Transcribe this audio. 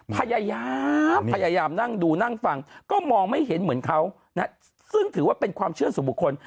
พยายามพยายามนั่งดูนั่งฟังก็มองไม่เห็นเหมือนเขานะซึ่งถือว่าเป็นความเชื่อสู่บุคคล